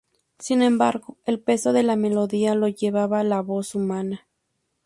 Sin embargo el peso de la melodía lo llevaba la voz humana.